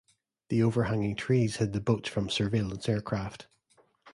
The overhanging trees hid the boats from surveillance aircraft.